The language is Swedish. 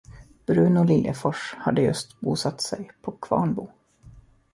Bruno Liljefors hade just bosatt sig på Kvarnbo.